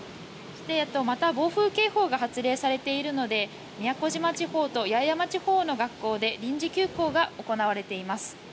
また、暴風警報が発令されているので宮古島地方と八重山地方の学校で臨時休校が行われています。